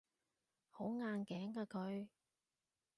好硬頸㗎佢